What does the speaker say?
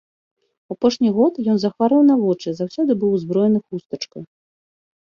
У апошні год ён захварэў на вочы і заўсёды быў узброены хустачкай.